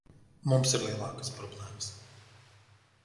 Mums ir lielākas problēmas.